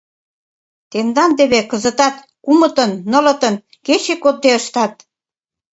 Тендан теве кызытат кумытын-нылытын кече кодде ыштат.